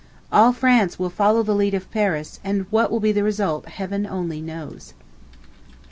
All France will follow the lead of Paris, and what will be the result Heaven only knows. _To I.